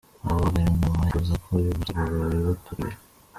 Avuga ko guverinoma yifuza ko uyu musaruro wikuba kabiri.